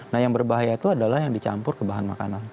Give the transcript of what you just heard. nah yang berbahaya itu adalah yang dicampur ke bahan makanan